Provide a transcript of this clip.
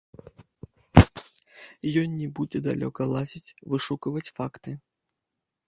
Ён не будзе далёка лазіць, вышукваць факты.